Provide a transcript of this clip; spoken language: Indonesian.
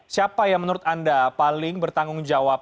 siapa yang menurut anda paling bertanggung jawab